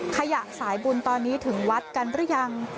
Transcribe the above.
ขยะสายบุญตอนนี้ถึงวัดกันหรือยัง